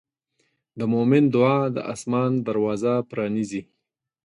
د مؤمن دعا د آسمان دروازه پرانیزي.